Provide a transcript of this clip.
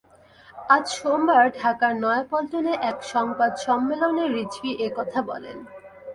আজ সোমবার ঢাকার নয়াপল্টনে এক সংবাদ সম্মেলনে রিজভী এ কথা বলেন।